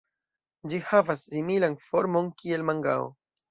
Ĝi havas similan formon kiel mangao.